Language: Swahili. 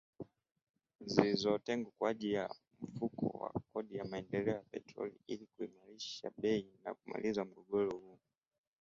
Zilizotengwa kwa ajili ya Mfuko wa Kodi ya Maendeleo ya Petroli ili kuimarisha bei na kumaliza mgogoro huo.